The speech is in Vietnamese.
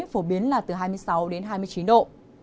phổ biến là từ hai mươi sáu đến hai mươi chín độ